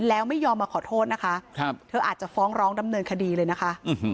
แล้วไม่ยอมมาขอโทษนะคะเธออาจจะฟ้องร้องดำเนินคดีเลยนะคะ